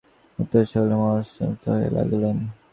উত্তরে সকলেই মহা সন্তুষ্ট হইতে লাগিলেন।